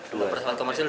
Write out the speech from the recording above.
dua pesawat komersil